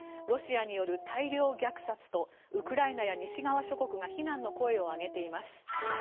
ロシアによる大量虐殺とウクライナや西側諸国が非難の声を上げています。